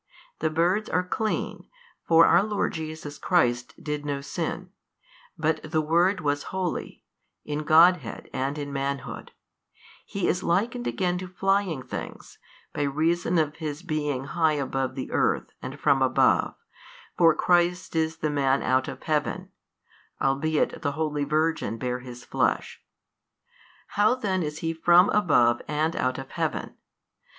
The birds are clean, for our Lord Jesus Christ did no sin, but the Word was holy, in Godhead and in Manhood: He is likened again to flying things, by reason of His being high above the earth and from above, for Christ is the Man out of Heaven, albeit the holy Virgin bare His Flesh 38. |227 How then is He from above and out of Heaven?